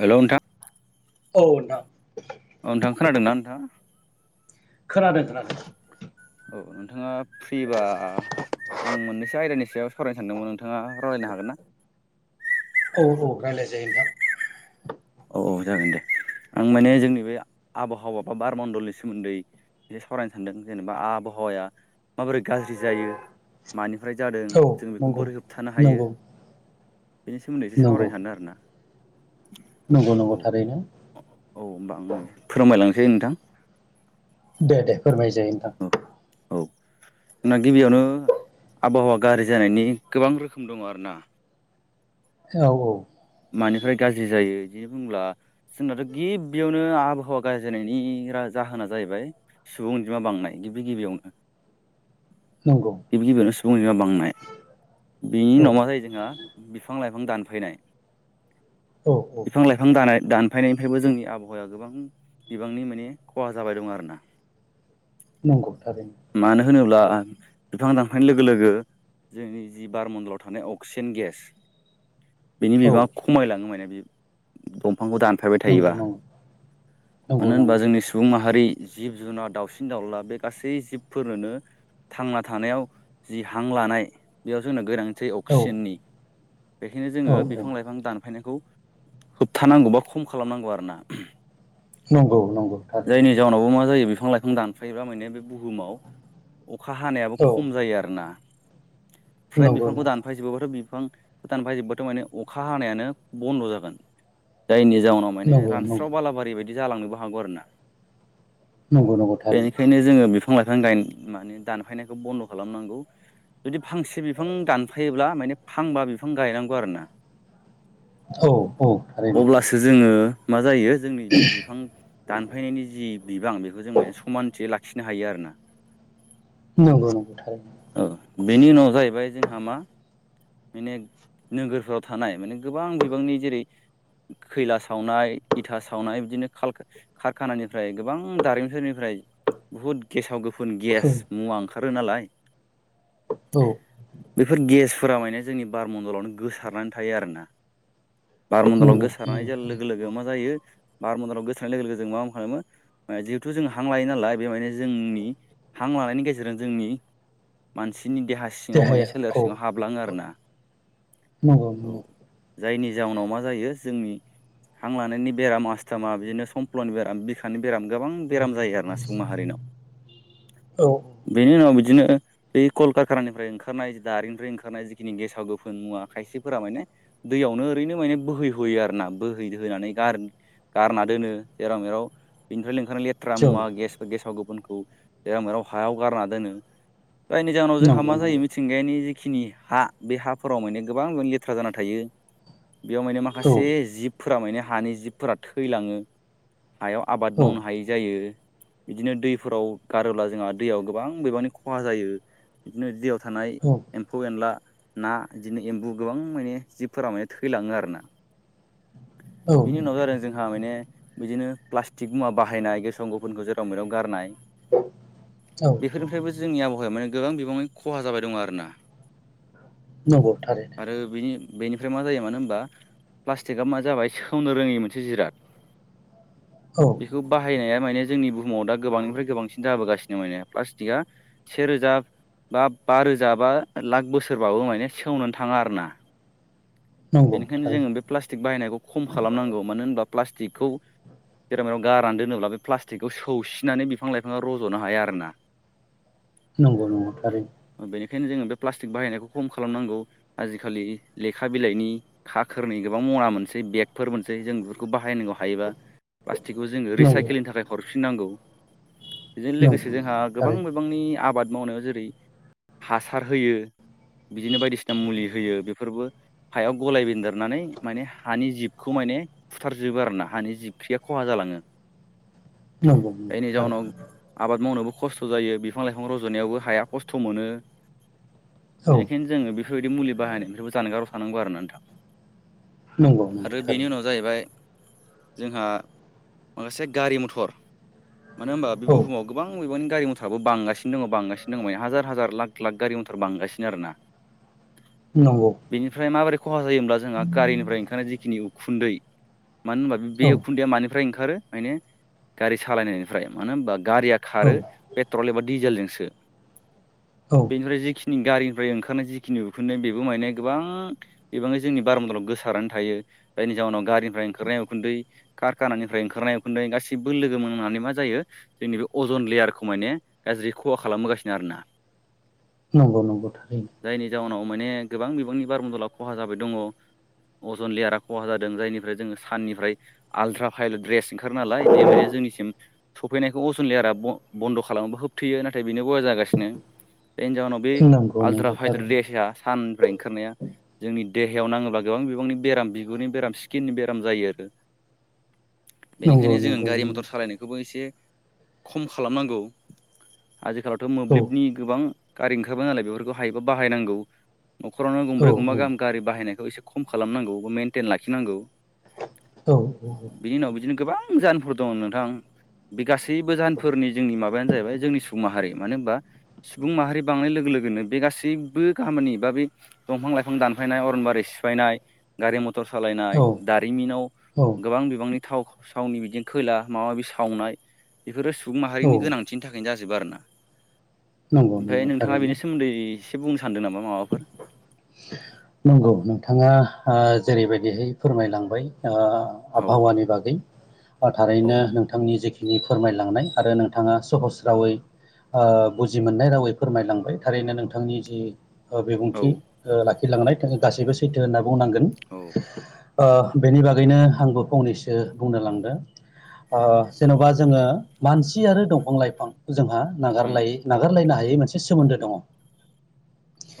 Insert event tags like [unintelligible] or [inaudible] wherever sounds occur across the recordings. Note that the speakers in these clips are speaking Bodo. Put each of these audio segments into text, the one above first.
हेलौ नोंथां औ नोंथां अ नोंथां खोनादोंना नोंथाङा? खोनादों खोनादों। औ नोंथाङा फ्रिबा आं मोननैसो आयदानि सायाव सावरायनो सानदोंमोन नोंथां। नोंथाङा रायलायनो हागोन ना? रायलाय जायो नोंथां। औ औ जागोन दे आं माने जोंनि बे आबहावा बा बार मण्डलनि सोमोन्दै एसे सावरायनो सानदों जेनेबा आबहावाया माबोरै गाज्रि जायो मानिफ्राय जादों नोंथां औ जों बेखौ नंगौ बोरै होबथानो हायो नंगौ बेनि सोमोन्दै एसे नंगौ सावरायनो सानदों आरो ना। नंगौ नंगौ औ थारैनो औ होमबा फोरमायलांसै नोंथां। दे दे फोरमाय जायो औ नोंथां। औ जोंना गिबियावनो आबहावा गाज्रि जानायनि गोबां रोखोम दङ आरो ना औ औ मानिफ्राय गाज्रि जायो बिनो बुंब्ला जोंनाथ' गिबियावनो आबहावा गाज्रि जानायनि जाहोना जाहैबाय सुबुं अनजिमा बांनाय गिबि गिबियावनो नंगौ गिबि गिबियावनो सुबुं अनजिमा बांनाय बिनि औ उनाव मा जायो जोंहा बिफां लाइफां दानफायनाय औ औ बिफां लाइफां दानाय दान फायनायनिफ्रायबो जोंनि आबहावाया गोबां बिबांनि माने खहा जाबाय दं आरोना। नंगौ थारैनो मानो होनोब्ला बिफां दानफायनाय लोगो लोगो जोंनि जि बारमण्डलाव थानाय अक्सिजेन गेस बिनि औ बिबां [unintelligible] माने बेयो बिफांखौ दानफायबाय नंगौ थायोबा नंगौ नंगौ मानो होनबा नंगौ जोंनि सुबुं माहारि जिब जुनार दाउसिन दाउला बे गासै जिबफोरनोनो थांना थानायाव जि हां लानाय बेयाव जोंनो गोनां थि औ अक्सिजेननि बेखायनो जोङो औ औ बिफां लाइफां दानफायनायखौ होबथानांगौ बा खम खालामनांगौ आरोना। नंगौ नंगौ जायनि थारैनो जाउनावबो मा जायो बे बिफां लाइफां दानफायोबा माने बे बुहुमाव अखा हानायाबो औ खम जायो आरो ना फ्राय नंगौ बिफांखौ दानफाय जबोबाथ बिफांखौ दानफाय जोबबाथ माने अखा हानायानो बन्द जागोन जायनि जाउनाव माने नंगौ नंगौ रानस्राव बालाारि बाय जालांनोबो हागौ आरोना नंगौ नंगौ थारैनो बेनिखायनो जोङो बिफां लाइफां गाय माने दानफायनायखौ बन्द खालामनांगौ जुदि फांसे बिफां दानफायोब्ला माने फांबा बिफां गायनांगौ आरोना औ औ थारैनो अब्लासो जोङो मा जायो जोंनि दि बिफां दानफायनायनि जि बिबां बेखौ जों माने समानथि लाखि खिनो हायो आरोना नंगौ नंगौ थारैनो औ बेनि उनाव जाहैबाय जों जोंहा मा माने नोगोरफ्राव थानाय माने गोबां बिबांनि जेरै खैला सावनाय इथा सावनाय बिदिनो कारखानानिफ्राय गोबां दारिमिनफोरनिफ्राय बुहुद गेसाव गेसाव गोफोन गुफुन औ गेस मुवा ओंखारो नालाय औ बेफोर गेस फोरा माने जोंनि बारमन्दलावनो गोसारनानै थायो आरोना बारमन्दलाव नंगौ नंगौ गोसारनाय लोगो थारैनो लोगो मा जायो बारमन्दाराव गोसारनाय लोगो लोगो जों मा-मा खालामो जिहेथु जों हां लायो नालाय बे माननो जोंनि हां लानायनि गेजेरजों जोंनि मानसिनि देहा सिङाव माने देहाया सोलेर औ सिङाव हाबलाङो आरोना नंगौ औ नंगौ जायनि जाउनाव मा जायो जोंनि हां लानायनि बेराम आस्थामा बिदिनो समफ्लनि बेराम बिखानि बेराम गोबां बेराम जायो आरोना सुबुं माहारिनाव औ बेनि उनाव औ बिदिनो बिदिनो कलकारखानानिफ्राय ओंखारनाय जि दारिनिफ्राय ओंखारनाय जिखिनि गेसाव गोफोन मुवा खायसे फोर माने दैयावनो ओरैनो माने बोहैहोयो आरोना बोहैहयो गारनो गारना दोनो जेराव मेराव बिनिफ्राय बेखायनो लेथ्रा जौ मुवा गेसफोर गेसाव गोफोनखौ जेराव मेराव हायाव गारना दोनो जायनि जाहोनाव जोंहा नंगौ मा जायो नंगौ मिथिंगानि जिखिनि हा बे हाफोराव माने गोबां लेथ्रा लेथ्रा जाना थायो बेयाव माने औ माखासे जिबफोरा माने हानि जिबफोरा थैलाङो हायाव आबाद औ मावनो हायै जायो बिदिनो दैफोराव गारोब्ला जोंहा दैयाव गोबां बिबांनि खहा जायो बिदिनो दैयाव थानाय औ एम्फौ एनला ना बिदिनो एम्बु गोबां माने जिबफोरा माने थैलाङो आरोना औ बिनि उनाव जादों जोंहा माने बिदिनो प्लास्टिक मुवा बाहायनाय गसाव गोफोनखौ जेराव मेरायाव गारनाय औ बेफोरनिफ्रायबो जोंनि आबहावाया माने गोबां बिबाङनि खहा जाबाय दं आरोना नंगौ थारै आरोनि बेनिफ्राय मा जायो मानो होनबा प्लास्टिकआ मा जाबाय सेवनो रोङै मोनसे जिराद औ बेखौ बाहायनाया माने जोंनि बुहुमाव दा गोबांनिफ्राय गोबांसिन जाबोगासिनो निमाने प्लास्टिकआ सेेरोजा बा-बा रोजा बा लाख बोसोरबाबो माने सेवनानै थां थाङा आरोना नंगौ बेनिखायनो थारै जोङो बेक बाहायनाय खम खालामनांगौ मानो होनबा प्लास्टिकखौ जेराव बेेराव गारान दोनोब्ला बे प्लास्टिकखौ सौसिनानै बिफां लाइफाङा रज'नो हाया आरोना नंगौ नंगौथारै बेखायनो जोङो बे प्लास्टिक बाहायनायखौ खम खालामनांगौ आजिखालि लेखा बिलाइनि खाखोरननि गोबां मना मोनसै बेगफोर मोनसै जों बेफोरखौ बाहाय बाहायनांगौ हायोबा प्लास्टिकखौ जोङो नंगौ रिसाइकेलनि थाखाय हरफिननांगौ बेजों नंगौ लोगोसे जोंहा नंगौ गोबां थारै बिबांनि आबाद मावनायाव जेरै हासार होयो बिदिनो बायदिसिना मुलि होयो बेफोरबो हायाव गलाय बेन्देरनानै माने हानि जिबखौ माने फुथारजोब बो आरोना हानि जिबख्रिया खहा जालाङो नंगौ नंगौ जायनि थारै जााहोनाव आबाद मावनोबो खस्थ' जायो बिफां लाइफां रज'नायावबो हाया खस्थ' मोनो औ बेनिखायनो जो बिदि मुलि बाहायनाय बेबो जानगाराव थानांगौ आरोना नोंथां नंगौ नंगौ आरो थारै बेनि उनाव जाहैबाय जोंहा माखासे गारि मथर मानो होनबा औ बेुहुमाव गोबां मबानि गारि म मथराबो बांगासिनो दङ बांगासिनो दङ मान हाजार हाजार लाख लाख गारि मनथार बांगासिनो आरो ना नंगौ बेनिफ्राय माबोरै खहा जायो होनब्ला जोंहा गारिनिफ्राय ओंखारनाय जिखिनि उखुन्दै मानो होनबा बे औ उखुन्दैया मानिफ्राय ओंखारो मे गारि सालायनायनिफ्राय मानो होनबा गारिया औ खारो पेट्रल एबा डिजेलजोंसो औ बेनिफ्राय जखि गारिनिफ्राय ओंखारनाय जि खिनि उखुनाय बेबो मायनाय गोबां बिबाङै जोंनि बारमदलाव गोसारानानै थायो जायनि जाउनाव गारिनिफ्राय ओंखारनाय उखुन्दै कारखाननिफ्राय ओंखारनाय उखुन्दै गासिबो लोगो मोननानै मा जायो जोंनि बेजन लेयारखौ माने गाज्रि खहा खालामबोगासिनो आरोना नंगौ नंगौ थारै जायनि जाहनाव माने गोबां बिबांनि बार बदला खहा जाबाय दङ अजन लेयारा खहा जादों जायनिफ्राय जोङो साननिफ्राय आलट्रा भाइले द्रेस सिंखार नालाय बेयो माने जोंनिसिम सफैनायखौ अजन लेयारा बन्द खालामोबा होबथैयो नाथाय बेनो बया जागासिनो जायनि जाहोनाव बे नंगौ आलट्रा नंगौ हाइद्रे थारैनो देसआ साननिफ्राय ओंखारनाया जोंनि जोंनि देहायाव नाङोबा गोबां बिबांनि बेराम बिगुरनि बेराम स्किननि बेराम जायो आरो नंगौ बेनिखायनो जोङो नंगौ गारि नंगौ मथर सालायनायखौबो एसे खम खालामनांगौ आजिखालावथ औ मोब्लिबनि गोबां गारि ओंखारबा नालाय बेफोरखौ हायोबा बायांगौ नखरावनो औ गंब्रै गंब औ गाहाम गारि बाहायनाय बेखौ एसे खम खालामनांगौ बा मेेनटेन लाखिनांगौ औ बिनि उनाव बिदिनो गोबां गोबां जाहोनफोर दं नोंथां बे गासैबो जाहोनफोरनि जोंनि माबायानो जाहैबाय जोंनि सुबुं माहारि मानो होनबा सुबुं माहारि बांनाय लोगो लोगोनो बे गासैबो गामिनि बा बे दंफां लाइफां दानफायनाय अरन बारिै सिफायनाय गारि मथर मटर सालायनाय औ दारिमिनाव औ गोबां बिबांनि थाव थावनि बिदिनो खैला माबा माबि सावनाय बेफोरो सुबुं औ माहारिनि गोनांथिनि थाखायनो ज जोब आरोना नंगौ ओमफ्राय नंगौ नोंथाङा थारैनो बेनि सोमोन्दै एसे बुंनो सानदों नामा माबाफोर नंगौ नोंथाङा जेरैबायदिहाय फोरमायलांबाय औ आबहावानि बागै थारैनो औ नोंथांनि जिखिनि फोरमायलांनाय आरो नोंथाङा सहस रावै बुजि मोननाय रावै फोरमायलांबाय थारैनो नोंथांनि जि औ बिबुंथि लाखिलांनाय गासैबो सैथो होनना बुंनांगोन औ बेनि बागैनो आंबो फंनैसो बुंनो लांदों जेनबा जोङो मानसि आरो दंफां लाइफां जोंहा उम नागारलायै नागारलायनो हायै मोनसे सोमोन्दो दङ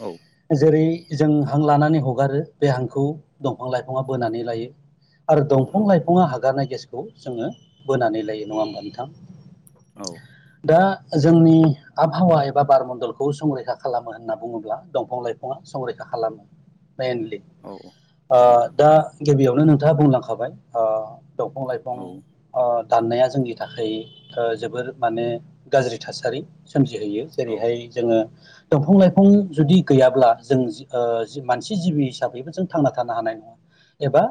औ जेरै जों हां लानानै हगारो बे हांखौ दंफां लाइफाङा बोनानै लायो आरो औ दंफां लाइफाङा हगारनाय गेसखौ जोङो बोनानै लायो नङा होमबा नोंथां औ दा जोंनि आबहावा एबा बार मन्डलखौ संरैखा खालामो होनना बुङोब्ला दंफां लाइफाङा संरैखा खालामो मेइनलि औ औ दा गिबियावनो नोंथाङा बुंलांखाबाय दंफां लाइफां औ दाननाया जोंनि थाखाय जोबोर माने गाज्रि थासारि सोमजिहोयो औ जेरैहाय जोङो दंफां लाइफां जुदि गैयाब्ला जों मानसि जिबि हिसाबैबो जों थांना थानो हानाय नङा एबा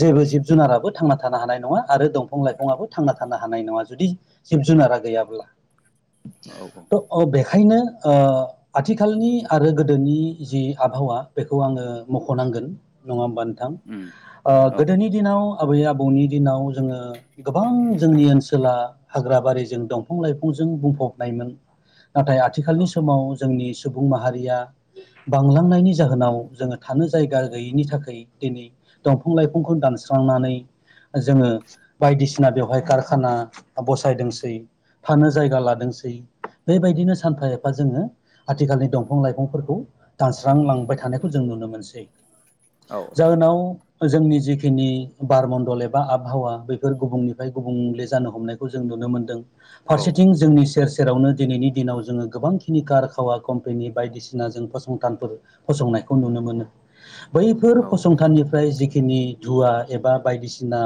जेबो जिब जुनाराबो थांना थानो हानाय नङा आरो दंफां लाइफाङाबबो थांना थानो हानाय नङा जुदि जिब जुनारा गैयाब्ला औ उम औ थ बेखायनो आथिखालनि आरो गोदोनि जि आबहावा बेखौ आङो मख'नांगोन नङा होमबानो गोदोनि दिनाव आबै आबौनि दिनाव जोङो गोबां जोंनि ओनसोला हाग्रा बारिजों दंफां लाइफांजों बुंफबनायमोन नाथाय आथिखालनि समाव जोंनि सुबुं माहारिया बांलांनायनि जाहोनाव जोंङो थानो जायगा गैयिनि थाखाय दिनै दंफां लाइफांखौ दानस्रांनानै जोंङो बायदिसिना बेवहाय कारखाना बसायदोंसै थानो जायगा लादोंसै बेबायदिनो सानफा एफा जोंङो आथिखालनि दंफां लाइफांफोरखौ खौ दानस्रांलांबाय थानायखौ जों नुनो मोनसै जाहोनाव जोंनि जिखिनि बारमण्डल एबा आबहावा बेफोर गुबुंनिफ्राय गुबुंले जानो हमनायखौ जों नुनो नुनो मोन्दों फारसेथिं जोंनि सेर सेरावनो दिनैनि दिनाव जोंङो गोबांखिनि कार खावा कम्पेनि बायदिसिना बायदिसिना फंनायखौ नुनो मोनो बैफोर फसंथाननिफ्राय नि धुवा एबा बायदिसिना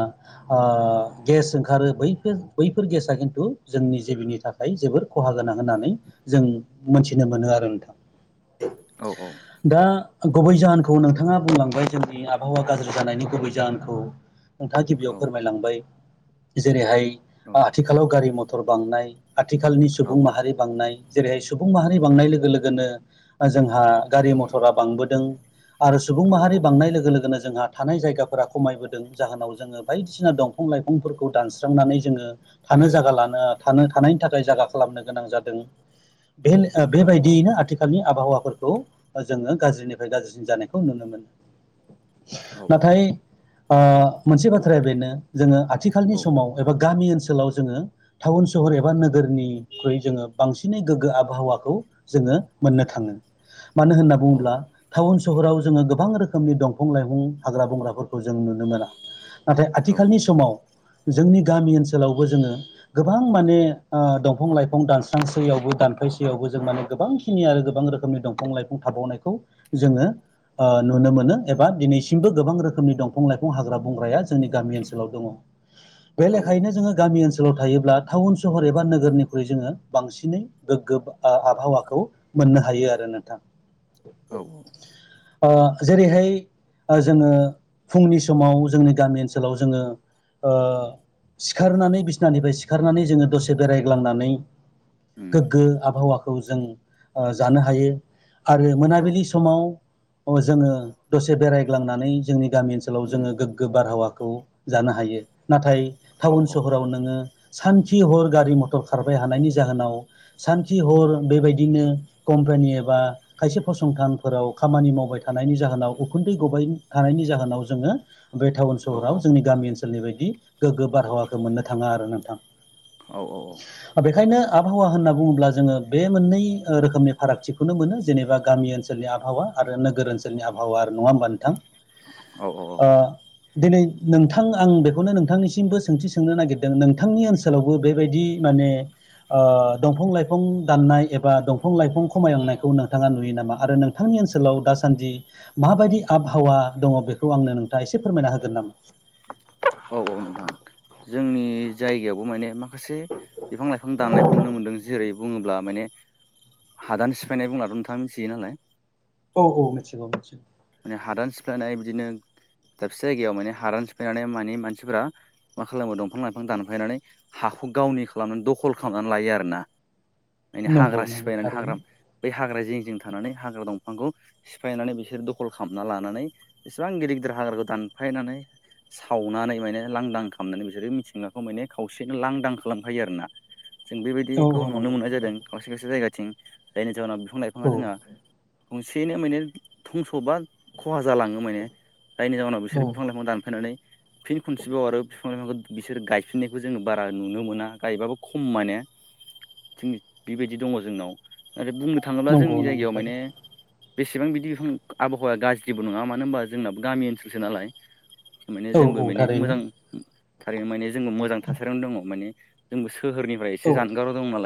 गेस ओंखारो बैफोर खिन्थु जोंनि जिबिनि थाखाय जोबोर खहा गोनां होननानै जों मोनथिनो मोनो आरो नोंथां दा गुबै जाहोनखौ नोंथांङा बुंलांबाय जोंनि आबहावा गाज्रि जानायनि गुबै जाहोनखौ नोंथां गिबियाव फोरमायलांबाय जेरैहाय आथिखालाव गारि मथर बांनाय आथिखालनि सुबुं माहारि बांनाय जेरैहाय सुबुं माहारि बांनाय लोगो लोगोनो जोंहा जोंहा गारि मथरा बांबोदों आरो सुबुं माहारि बांनाय लोगो लोगोनो जोंहा थानाय जायगाफोरा खमायबोदों जाहोनाव जोङो बायदिसिना दंफां लाइफांफोरखौ दानस्रांनानै जोंङो थानो जायगा लानो थानो थानायनि थाखाय जायगा खालामनो गोनां जादों बेबायदियैनो आथिखाल आबहावाफोरखौ जोङो गाज्रिनिफ्राय गाज्रिसिन जानायखौ नुनो मोनो नाथाय मोनसे बाथ्राया बेनो जोंङो आथिखालनि समाव एबा गामि ओन ओनसोलाव जोंङो टाउन सहर एबा नोगोरनिख्रुइ जोंङो बांसिनै गोगो आबहावाखौ जोंङो मोननो थांङो मानो होनना बुङोब्ला टाउन सहराव जोंङो गोबां रोखोम रोखोमनि दंफां लाइफां हाग्रा बंग्राफोरखौ जों नुनो मोना नाथाय आथिखालनि समाव जोंनि गामि ओनसोलावबो जोङो गोबां माने दंफां लाइफां दानस्रांस्रियावबो दानफै बैसोआवबो जों माने गोबांखिनि आरो गोबां रोखोमनि दंफां लाइफां थाबावनायखौ जोंङो नुनो मोनो एबा दिनैसिमबो गोबां रोखोमनि दंफां लाइफां हाग्रा बंग्राया जोंनि गामि ओनसोलाव दंङो बे औ लेखायैनो जोंङो गामि ओनसोल ओनसोलाव थायोब्ला टाउन सहर एब गोरनिख्रुइ जोंङो बांनै गोगो आबहावाखौ मोननो हायो आरो नोंथां औ - औ जेरैहाय जोंङो फुंनि समाव जोंनि गामि ओनसोलाव जोंङो सिखारनानै बिसनानिफ्राय सिखारनानै जोंङो दसे बेरायग्लांनानै उम गोगो आबहावाखौ जों जानो हायो आरो औ उम औ मोनाबिलि समाव जोंङो दसे बेरायग्लांनानै जोंनि गामि ओनसोलाव उम जोंङो गोगो बारहावाखौ जानो हायो नाथाय औ औ टाउन सहराव नोंङो सानखि हर गारि मथर खारबाय हानायनि जाहोनाव सानखि हर बेबायदिनो कम्पानि एबा खायसे फसंथानफोराव खामानि मावबाय थानायनि जाहोनाव उखुन्दै गबाय थानाय नि जाहोनाव जोंङो बे टाउन औ सहराव जोंनि गामि ओनसोलनि बायदि गोगो बारहावाखौ मोननो थांङा आरो नोंथां बेखायनो आबहावा होनना बुङोब्ला जोंङो बे मोननै ओ रोखोमनि फारागथिखौनो मोनो जेनेबा गामि ओनसोलनि आबहावा आरो नोगोर ओनसोलनि आबहावा नंङा होमबा नोंथां औ - औ - औ ओ दिनै नोंथां आं बेखौनो नोंथांनिसिमबो सोंथि सोंनो नागिरदों नोंथांनि ओनसोलावबो बेबायदि माने ओ दंफां लाइफां दाननाय एबा दं फां लाइफां खमायलांनायखौ नोंथांङा नुयो नामा आरो नोंथांनि ओनसोलाव दासान्दि माबायदि आबहावा दङो बेखौ आंनो नोंथांङा एसे फोरमायना होगोन नामा औ- औ नोंथां जोंनि जायगायावबो माने खासे बिफां लाइफां दाननायखौ नुनो मोनदों जेरै बुङोब्ला माने हादान सिफायनाय बुंब्लाथ नोंथां मिथियो नालाय औ औ मिथिगौ मिथिगौ माने हादान सिफ्लायनाय बिदिनो दाबसे जायगायाव माने हादान सिफायनानै मानि मानसिफोरा मा खालामो दंफां लाइफां दानफायनानै हा गावनि खालामनानै दखल खालामनानै लायो आरोना माने नंगौ हाग्रा नंगौ सिफायनानै हाग्रा थारैनो बै हाग्रा जिं जिं थानानै हाग्रा दंफांखौ सिफायनानै बिसोर खल खालामना लानानै इसेबां गिदिर गिदिर हाग्राखौ दानफायनानै सावनानै माने लांदां खालामनानै बिसोरो मिथिंगाखौ माने खावसेनो लांदां खालामखायो आरोना जों औ बेबायदिखौ औ नुनो नंगौ मोननाय जादों नंगौ खायसे खायसे जायगाथिं जायनि जाहोनाव बिफां लाइफाङा औ जोंहा [unintelligible] सेयैनो माने धंस'बा खहा जालाङो माने जायनि जाउनाव बिसोर औ बिफां लाइफां दानफायनानै फिन खनसेबाव आरो बिफां बिसोर गायफिननायखौ जोङो बारा नुनो मोना गायबाबो खम माने जों बेबायदि दङ जोंनाव आरो बुंनो थाङोब्ला नंगौ जोंनि नंगौ जायगायाव थारै माने बेसेबां बिदि [unintelligible] आबहावाया गाज्रिबो नोङा मानो होनबा जोंना गामि ओनसोलसो नालाय माने औ जोंबो औ माने थारैनो मोजां थारैनो माने जोंबो मोजां थासारियावनो दङ माने जोंबो सो सोहोरनिफ्राय एसे औ जानगाराव दं नालाय